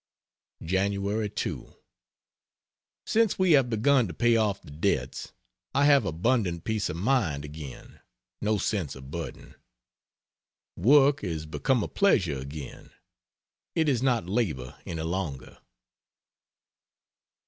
Jan. 2. Since we have begun to pay off the debts I have abundant peace of mind again no sense of burden. Work is become a pleasure again it is not labor any longer.